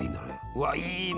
うわいいね！